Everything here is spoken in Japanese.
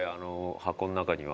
箱の中には。